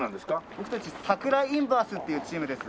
僕たち佐倉インヴァースっていうチームです。